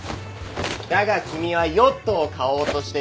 だが君はヨットを買おうとしている。